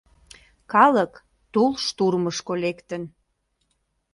Калык Тул штурмышко лектын.